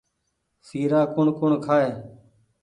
سيرآ ڪوٚڻ ڪوٚڻ کآئي